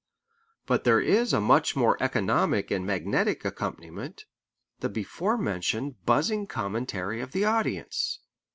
But there is a much more economic and magnetic accompaniment, the before mentioned buzzing commentary of the audience.